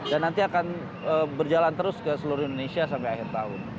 nanti akan berjalan terus ke seluruh indonesia sampai akhir tahun